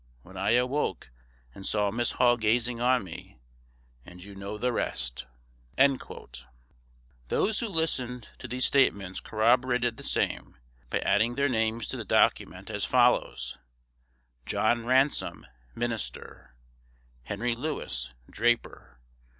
When I awoke and saw Miss Hall gazing on me, and you know the rest." Those who listened to these statements corroborated the same by adding their names to the document as follows: JOHN RANSOM, Minister. HENRY LEWIS, Draper.